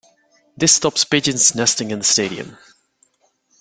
This stops pigeons nesting in the stadium.